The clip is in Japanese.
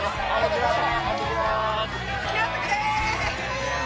ありがとうございます。